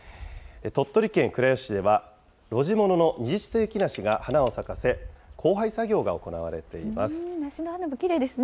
鳥取県倉吉市では露地物の二十世紀梨が花を咲かせ、交配作業が行梨の花、きれいですね。